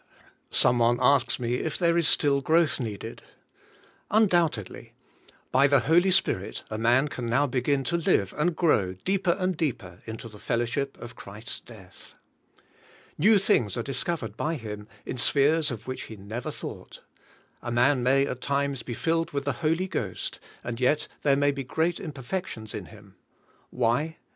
Some one asks me if there is still growth needed. Undoubtedly. By the Holy Spirit a man can now begin to live and grow, deeper and deeper, into the fellowship of Christ's death. New things are discovered by him in spheres of which he never thought. A man may at times be filled with the Holy Ghost, and yet there may be great imperfections in him. Why?